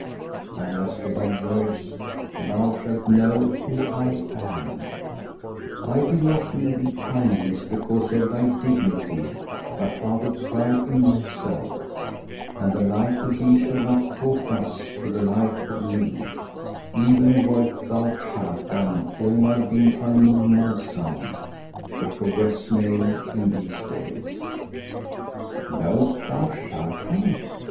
And as to thy words, 'Thou shalt know who I am,' I did not do thee kindness because of thy dignity but out of pride in myself; and the like of thee should not talk thus to the like of me, even wert thou Sharrkan, Omar bin al Nu'uman's son, the prowest name in these days!" "Knowest thou Sharrkan?"